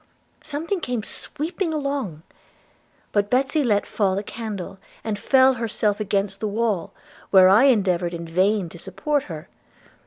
Something came sweep along; but Betsy let fall the candle, and fell herself against the wall, where I endeavoured in vain to support her.